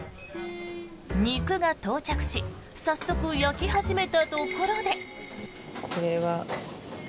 肉が到着し早速焼き始めたところで。